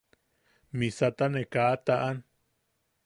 Misata ne kaa taʼan.